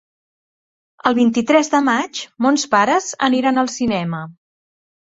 El vint-i-tres de maig mons pares aniran al cinema.